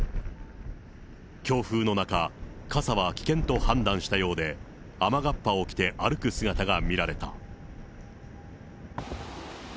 強風の中、傘は危険と判断したようで、雨がっぱを着て歩く姿が見られた。